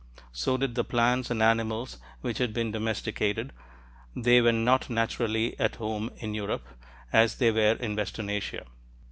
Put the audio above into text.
So did the plants and animals which had been domesticated; they were not naturally at home in Europe, as they were in western Asia.